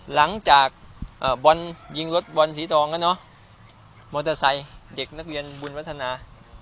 หลังจากบอลยิงรถบอลสีทองแล้วเนอะมอเตอร์ไซค์เด็กนักเรียนบุญวัฒนา